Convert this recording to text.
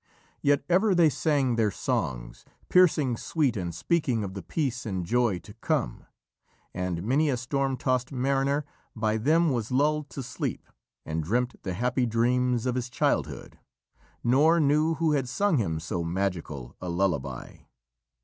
Yet ever they sang their songs, piercing sweet and speaking of the peace and joy to come, and many a storm tossed mariner by them was lulled to sleep and dreamt the happy dreams of his childhood, nor knew who had sung him so magical a lullaby.